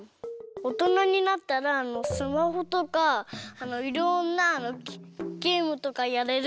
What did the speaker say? おとなになったらスマホとかいろんなゲームとかやれるからおとなになりたい。